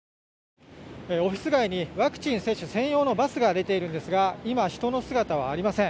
オフィス街にワクチン接種専用のバスが出ているんですが今、人の姿はありません。